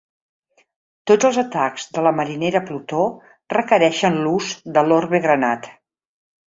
Tots els atacs de la Marinera Plutó requereixen l'ús de l'Orbe Granat.